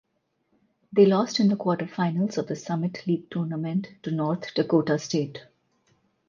They lost in the quarterfinals of the Summit League Tournament to North Dakota State.